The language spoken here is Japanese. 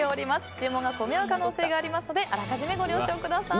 注文が混み合う可能性がありますので予めご了承ください。